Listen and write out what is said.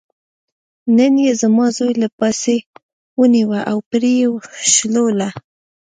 نن یې زما زوی له پایڅې ونیوه او پرې یې شلوله.